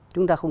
chúng ta không